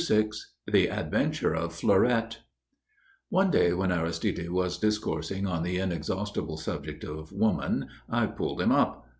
VI THE ADVENTURE OF FLEURETTE One day, when Aristide was discoursing on the inexhaustible subject of woman, I pulled him up.